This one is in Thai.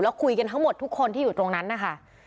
แล้วคุยกันทั้งหมดทุกคนที่อยู่ตรงนั้นนะคะ